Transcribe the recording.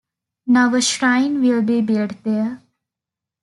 Now a shrine will be built there.